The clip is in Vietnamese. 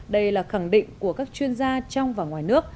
đây là khẳng định của các chuyên gia trong và ngoài nước